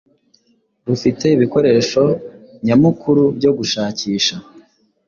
rufite ibikoresho nyamukuru byo gushakisha